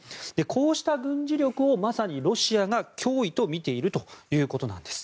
こうした軍事力をロシアが脅威とみているということです。